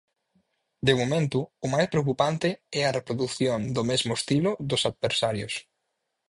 De momento, o máis preocupante é a reprodución do mesmo estilo dos adversarios.